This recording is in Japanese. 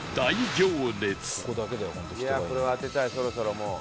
これは当てたいそろそろもう。